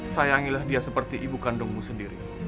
sayangilah dia seperti ibu kandungmu sendiri